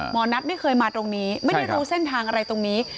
หมอนัทไม่เคยมาตรงนี้ไม่ได้รู้เส้นทางอะไรตรงนี้